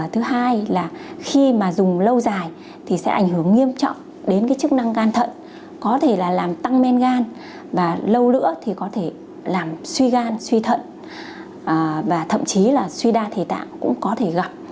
thứ hai là khi mà dùng lâu dài thì sẽ ảnh hưởng nghiêm trọng đến cái chức năng gan thận có thể là làm tăng men gan và lâu nữa thì có thể làm suy gan suy thận và thậm chí là suy đa thể tạng cũng có thể gặp